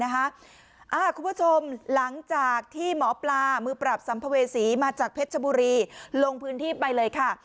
คุณผู้ชมหลังจากที่หมอปลามือปราบสัมภเวษีมาจากเพชรชบุรีลงพื้นที่ไปเลยค่ะ